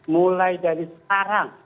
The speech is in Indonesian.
mulai dari sekarang